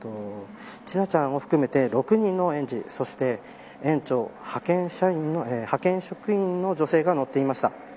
千奈ちゃんを含めて６人の園児そして園長、派遣職員の女性が乗っていました。